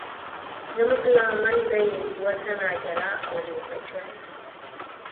زموږ له منځه یې دوه تنه جلا او ویې وژل.